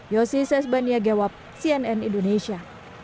yosi sesbaniagewap cnn indonesia